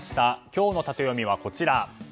今日のタテヨミはこちら。